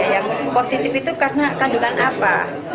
yang positif itu karena kandungan apa